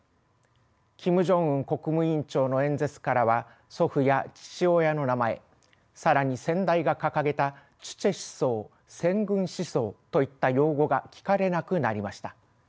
キム・ジョンウン国務委員長の演説からは祖父や父親の名前更に先代が掲げた「チュチェ思想」「先軍思想」といった用語が聞かれなくなりました。